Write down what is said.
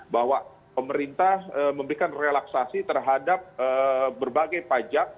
bahwa pemerintah memberikan relaksasi terhadap berbagai pajak